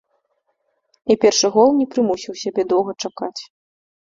І першы гол не прымусіў сябе доўга чакаць.